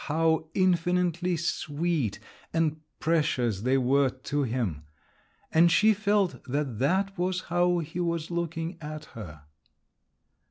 how infinitely sweet and precious they were to him! And she felt that that was how he was looking at her.